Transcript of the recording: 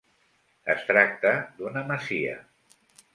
Es tracta d'una masia.